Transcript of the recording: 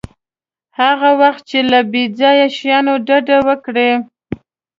هغه وخت چې له بې ځایه شیانو ډډه وکړئ.